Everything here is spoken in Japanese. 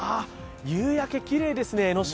夕焼け、きれいですね、江の島。